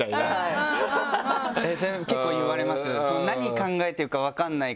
それ結構言われます。